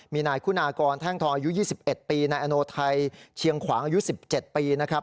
มีนายคุณากรแท่งทองอายุ๒๑ปีนายอโนไทยเชียงขวางอายุ๑๗ปีนะครับ